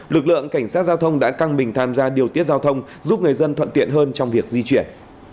lực lượng cảnh sát giao thông đã căng bình tham gia điều tiết giao thông giúp người dân thuận tiện hơn trong việc di chuyển